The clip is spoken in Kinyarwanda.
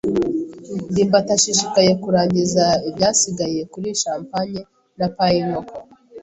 ndimbati ashishikaye kurangiza ibyasigaye kuri champagne na pie yinkoko.